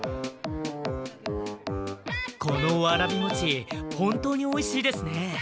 このわらび餅本当においしいですね。